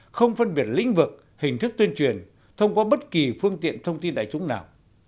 không phân biệt lĩnh vực hình thức tuyên truyền thông qua bất kỳ phương tiện thông tin đại chúng nào